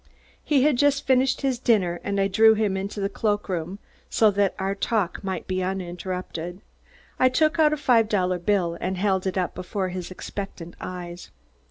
He had just finished his dinner and I drew him into the cloak room so that our talk might be uninterrupted. I took out a five dollar bill and held it up before his expectant eyes.